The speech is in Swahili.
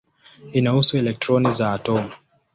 Inahusu elektroni za atomu.